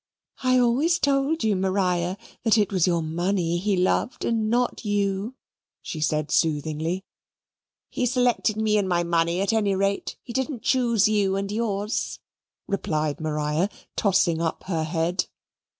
"I always told you, Maria, that it was your money he loved and not you," she said, soothingly. "He selected me and my money at any rate; he didn't choose you and yours," replied Maria, tossing up her head.